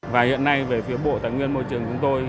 và hiện nay về phía bộ tài nguyên môi trường chúng tôi